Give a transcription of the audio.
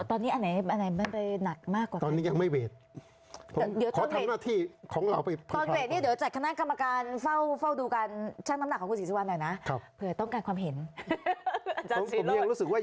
ตอนนี้อันไหนมันไปหนักมากกว่าไหน